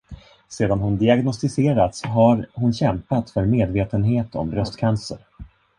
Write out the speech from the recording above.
Sedan hon diagnostiserats har hon kämpat för medvetenhet om bröstcancer.